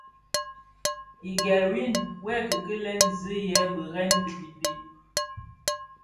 Ighel win, wuê kikilè zi yè burèn di bibid.